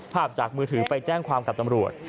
ภาพจากมือถือไปแจ้งความกับตำรวจ